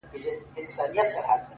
پښتې ستري تر سترو! استثناء د يوې گوتي!